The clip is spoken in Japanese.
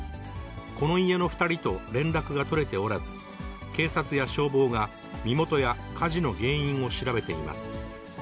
この家の２人と連絡が取れておらず、警察や消防が身元や火事の原因を調べています。